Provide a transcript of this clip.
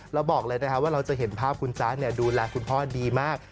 บอกเลยนะคะว่าเราจะเห็นภาพคุณจ๊ะดูแลคุณพ่อดีมาก